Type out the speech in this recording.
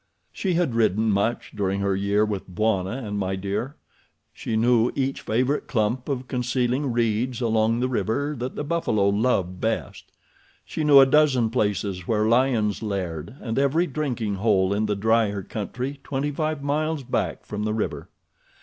She had ridden much during her year with Bwana and My Dear. She knew each favorite clump of concealing reeds along the river that the buffalo loved best. She knew a dozen places where lions laired, and every drinking hole in the drier country twenty five miles back from the river.